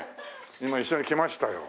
今一緒に来ましたよ。